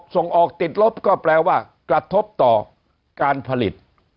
ส่งออกติดลบก็แปลว่ากระทบต่อการผลิต